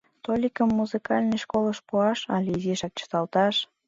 Толикым музыкальный школыш пуаш але изишак чыталташ?